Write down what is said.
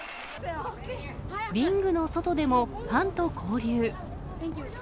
リングの外でもファンと交流。